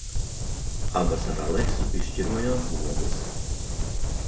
Abas ar Aleksu izšķirojām pogas.